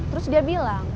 terus dia bilang